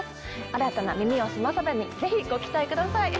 新たな『耳をすませば』にぜひご期待ください。